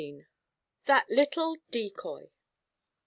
THAT LITTLE DECOY.